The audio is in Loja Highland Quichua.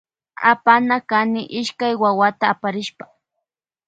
Apana kany ishkay wawata aparishpa.